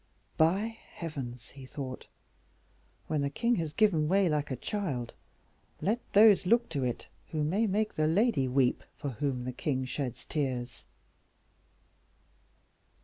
"By heavens!" he thought, "when the king has given way like a child, let those look to it who may make the lady weep for whom the king sheds tears."